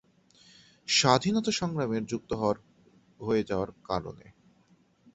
স্বাধীনতা সংগ্রামের যুক্ত হয়ে যাওয়ার কারণে।